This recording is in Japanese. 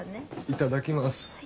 いただきます。